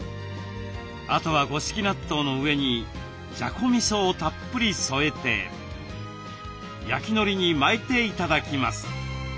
あとは五色納豆の上にじゃこみそをたっぷり添えて焼きのりに巻いて頂きます。